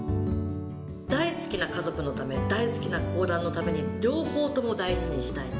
大好きな家族のため、大好きな講談のために、両方とも大事にしたい。